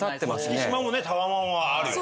月島もタワマンはあるよ